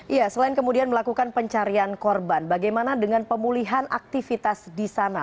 iya selain kemudian melakukan pencarian korban bagaimana dengan pemulihan aktivitas di sana